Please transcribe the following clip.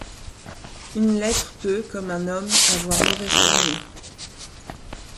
Une lettre peut, comme un homme, avoir mauvaise tournure.